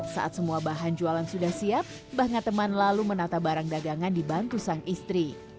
saat semua bahan jualan sudah siap mbah ngateman lalu menata barang dagangan dibantu sang istri